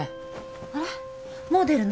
あれもう出るの？